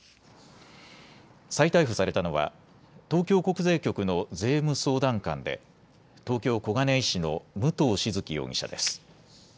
再逮捕されたのは東京国税局の税務相談官で東京小金井市の武藤静城容疑者です。